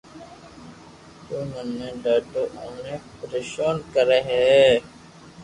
تو مني ڌاڌو اوني پرآݾون ڪري ھي